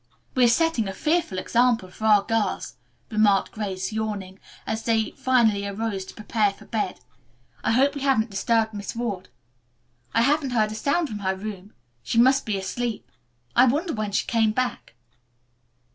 "We are setting a fearful example for our girls," remarked Grace yawning, as they finally arose to prepare for bed. "I hope we haven't disturbed Miss Ward. I haven't heard a sound from her room. She must be asleep. I wonder when she came back."